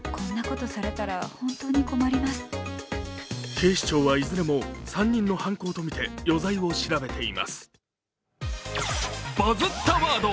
警視庁は、いずれも３人の犯行とみて、余罪を調べています。